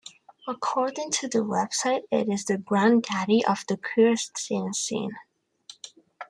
According to their website it is the "grand-daddy of the queer zine scene".